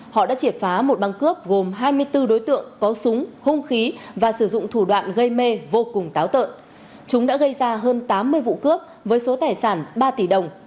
họ đã triệt phá một băng cướp gồm hai mươi bốn đối tượng có súng hung khí và sử dụng thủ đoạn gây mê vô cùng táo tợn chúng đã gây ra hơn tám mươi vụ cướp với số tài sản ba tỷ đồng